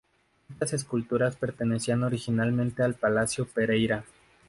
Estas esculturas pertenecían originalmente al palacio Pereira.